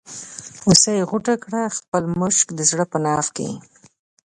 هوسۍ غوټه کړه خپل مشک د زړه په ناف کې.